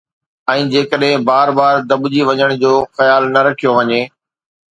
۽ جيڪڏهن بار بار دٻجي وڃڻ جو خيال نه رکيو وڃي